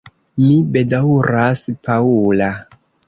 Mi bedaŭras, Paŭla.